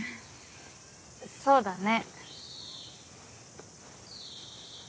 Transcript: そうだね